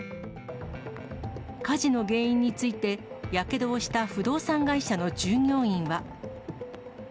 火事の原因について、やけどをした不動産会社の従業員は。